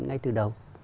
ngay từ đầu